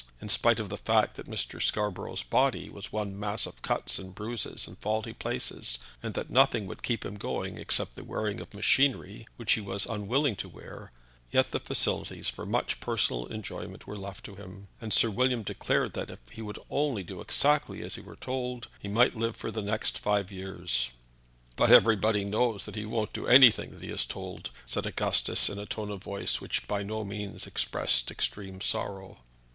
In spite of the fact that Mr. Scarborough's body was one mass of cuts and bruises and faulty places, and that nothing would keep him going except the wearing of machinery which he was unwilling to wear, yet the facilities for much personal enjoyment were left to him, and Sir William declared that, if he would only do exactly as he were told, he might live for the next five years. "But everybody knows that he won't do anything that he is told," said Augustus, in a tone of voice which by no means expressed extreme sorrow.